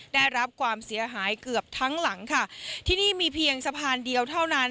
ได้รับความเสียหายเกือบทั้งหลังค่ะที่นี่มีเพียงสะพานเดียวเท่านั้น